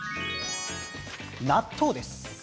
納豆です。